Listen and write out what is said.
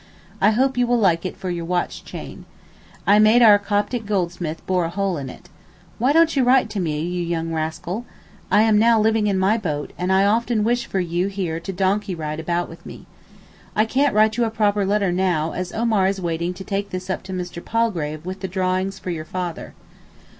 I hope you will like it for your watch chain. I made our Coptic goldsmith bore a hole in it. Why don't you write to me, you young rascal? I am now living in my boat, and I often wish for you here to donkey ride about with me. I can't write you a proper letter now as Omar is waiting to take this up to Mr. Palgrave with the drawings for your father.